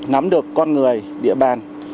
nắm được con người địa bàn